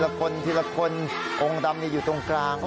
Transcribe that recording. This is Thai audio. คนทีละคนองค์ดำอยู่ตรงกลาง